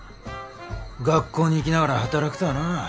学校に行きながら働くとはなあ。